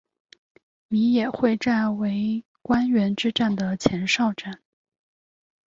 米野会战为关原之战的前哨战。